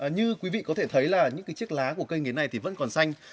như quý vị có thể thấy là những chiếc lá của cây nghiến này vẫn còn xanh